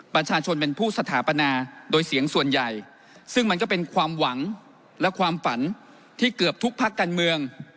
ประชาชนเป็นผู้สถาปนาโดยเสียงส่วนใหญ่ซึ่งมันก็เป็นความหวังและความฝันที่เกือบทุกพักการเมือง